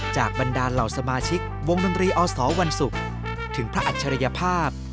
บรรดาเหล่าสมาชิกวงดนตรีอสวันศุกร์ถึงพระอัจฉริยภาพ